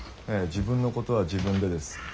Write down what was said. ええ「自分のことは自分で」です。